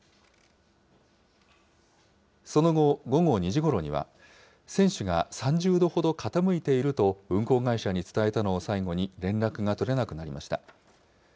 その後、午後２時ごろには、船首が３０度ほど傾いていると運航会社に伝えたのを最後に連絡が取れなくなりました。